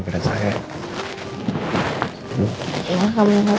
kita hadapin sama sama semuanya ya